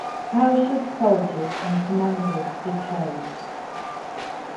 How should soldiers and commanders be trained?